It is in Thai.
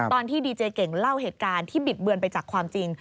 ตอนที่ดีเจเก่งเล่าเหตุการณ์ที่บิดเบือนไปจากความจริง